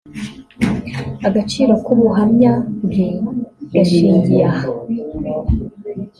Agaciro k’ubuhamya bwe gashingiye aha